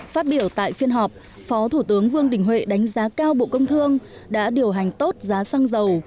phát biểu tại phiên họp phó thủ tướng vương đình huệ đánh giá cao bộ công thương đã điều hành tốt giá xăng dầu